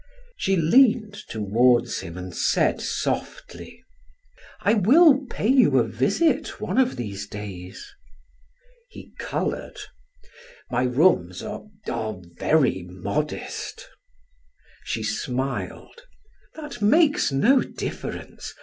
She leaned toward him and said softly: "I will pay you a visit one of these days." He colored. "My rooms are are very modest." She smiled: "That makes no difference.